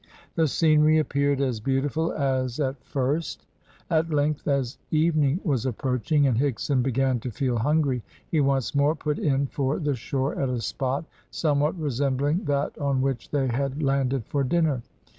The scenery appeared as beautiful as at first. At length as evening was approaching, and Higson began to feel hungry, he once more put in for the shore at a spot somewhat resembling that on which they had landed for dinner.